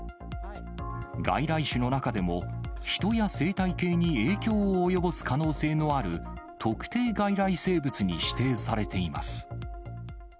外来種の中でも人や生態系に影響を及ぼす可能性のある、特定外来生物に指定されています。